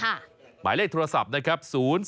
หมายเลขโทรศัพท์นะครับ๐๔๔๒๒๔๘๒๕